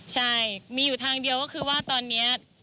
ใช่มีอยู่ทางเดียวก็คือว่าตอนนี้